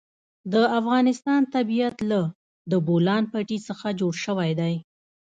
د افغانستان طبیعت له د بولان پټي څخه جوړ شوی دی.